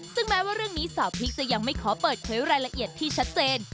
ซึ่งแม้ว่าเรื่องนี้สาวพริกจะยังไม่ขอเปิดเผยรายละเอียดที่ชัดเจน